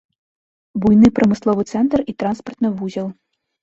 Буйны прамысловы цэнтр і транспартны вузел.